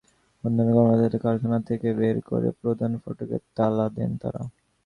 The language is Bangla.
অন্য কর্মকর্তাদের কারখানা থেকে বের করে প্রধান ফটকে তালা দেন তাঁরা।